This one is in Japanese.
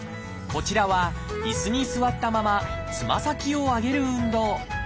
こちらはいすに座ったままつま先を上げる運動。